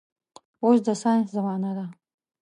اوس د ساينس زمانه ده